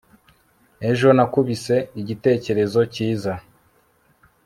ejo nakubise igitekerezo cyiza